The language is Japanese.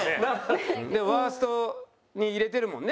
ワーストに入れてるもんね。